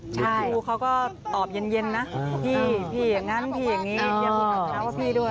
คุณเขาก็ตอบเย็นนะพี่พี่อย่างนั้นพี่อย่างนี้